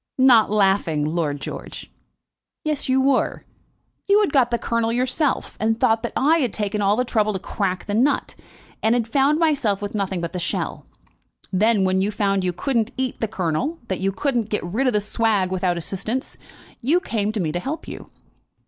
"Not laughing, Lord George." "Yes, you were. You had got the kernel yourself, and thought that I had taken all the trouble to crack the nut and had found myself with nothing but the shell. Then, when you found you couldn't eat the kernel, that you couldn't get rid of the swag without assistance, you came to me to help you.